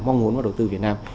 mong muốn vào đầu tư việt nam